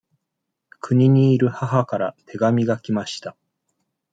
国にいる母から手紙が来ました。